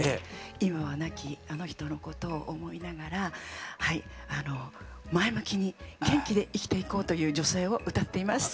今は亡きあの人のことを思いながら前向きに元気で生きていこうという女性を歌っています。